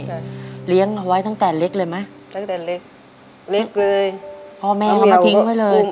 เลี้ยงเอาไว้ตั้งแต่เล็กเลยไหมตั้งแต่เล็กเล็กเลยพ่อแม่เอามาทิ้งไว้เลย